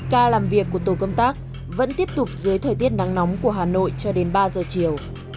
ca làm việc của tổ công tác vẫn tiếp tục dưới thời tiết nắng nóng của hà nội cho đến ba giờ chiều